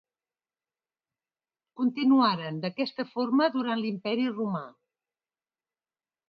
Continuaren d'aquesta forma durant l'Imperi romà.